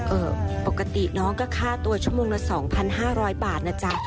ปกติน้องก็ค่าตัวชั่วโมงละ๒๕๐๐บาทนะจ๊ะ